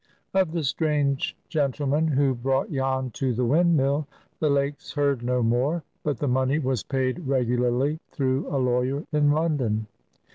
OF the strange gentleman who brought Jan to the windmill, the Lakes heard no more, but the money was paid regularly through a lawyer in London.